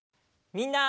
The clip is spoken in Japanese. みんな！